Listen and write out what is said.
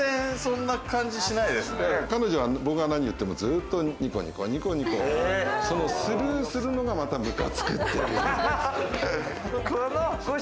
彼女は僕が何言ってもずっとニコニコ、そのスルーするのがまたムカつくっていう。